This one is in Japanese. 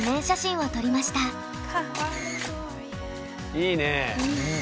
いいねぇ。